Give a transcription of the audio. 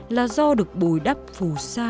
là do được bồi đắp phù sa